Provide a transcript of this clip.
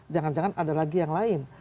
jangan jangan ada lagi yang lain